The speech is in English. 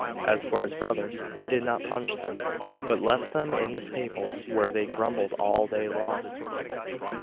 As for his brothers, he did not punish them, but left them in the stables, where they grumbled all day long.